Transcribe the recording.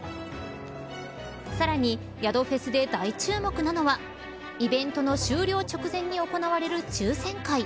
さらに、宿フェスで大注目なのはイベントの終了直前に行われる抽選会。